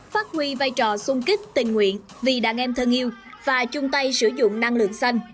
phát huy vai trò sung kích tình nguyện vì đàn em thân yêu và chung tay sử dụng năng lượng xanh